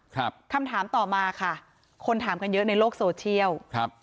คำถามต่อมาค่ะคนถามกันเยอะในโลกโซเชียลครับ